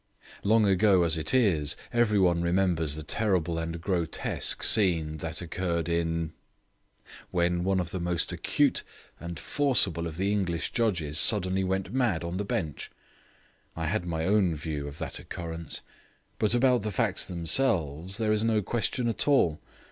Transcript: Long ago as it is, everyone remembers the terrible and grotesque scene that occurred in , when one of the most acute and forcible of the English judges suddenly went mad on the bench. I had my own view of that occurrence; but about the facts themselves there is no question at all.